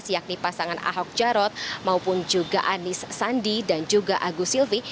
yakni pasangan ahok jarot maupun juga anies sandi dan juga agus silvi